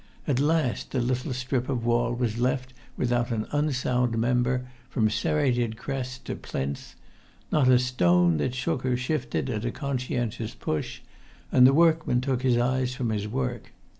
At last the little strip of wall was left without an unsound member from serrated crest to plinth: not a stone that shook or shifted at a conscientious push; and the workman took his eyes from his work.